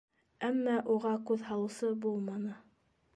Әммә уға күҙ һалыусы булманы.